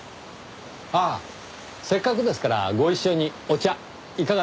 あっせっかくですからご一緒にお茶いかがですか？